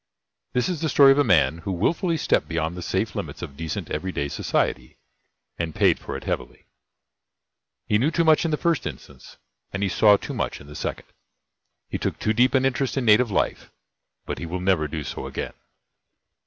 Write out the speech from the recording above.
This is the story of a man who wilfully stepped beyond the safe limits of decent every day society, and paid for it heavily. He knew too much in the first instance; and he saw too much in the second. He took too deep an interest in native life; but he will never do so again.